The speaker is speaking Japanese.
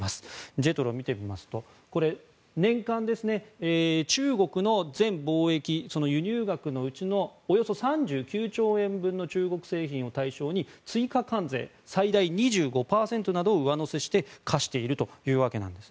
ＪＥＴＲＯを見てみますと年間中国の全貿易輸入額のうちおよそ３９兆円の中国製品を対象に追加関税最大２５％などを上乗せして科しているわけです。